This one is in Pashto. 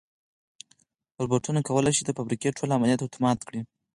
روبوټونه کولی شي د فابریکې ټول عملیات اتومات کړي.